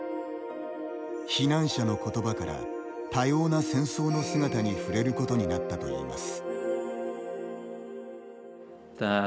避難者の言葉から多様な戦争の姿に触れることになったといいます。